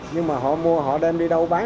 nhưng mà họ mua họ đem đi đâu bán